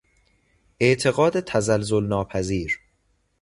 اعتقاد تزلزل ناپذیر